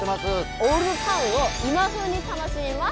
オールドタウンを今風に楽しみます。